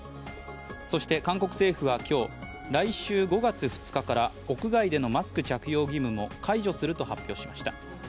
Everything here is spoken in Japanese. そして韓国政府は今日来週５月２日から屋外でのマスク着用義務も解除すると発表しました。